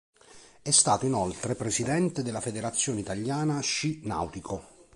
È stato inoltre Presidente della Federazione Italiana Sci Nautico.